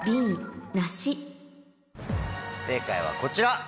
正解はこちら。